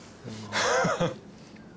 ハハハッ。